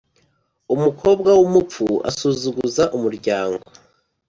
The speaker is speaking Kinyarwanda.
Umukobwa w’umupfu asuzuguza umuryango.